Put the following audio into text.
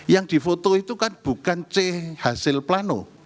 yang difoto itu kan bukan c hasil plano